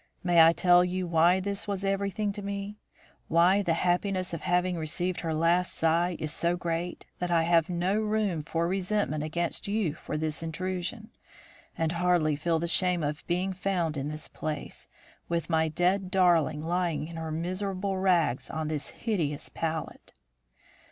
May I tell you why this was everything to me? Why, the happiness of having received her last sigh is so great, that I have no room for resentment against you for this intrusion, and hardly feel the shame of being found in this place, with my dead darling lying in her miserable rags on this hideous pallet!"